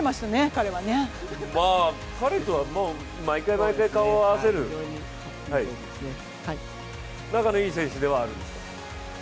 彼とは毎回、毎回顔を合わせる仲のいい選手ではあるんですか？